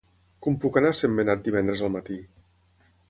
Com puc anar a Sentmenat divendres al matí?